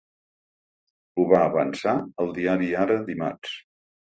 Ho va avançar el diari Ara dimarts.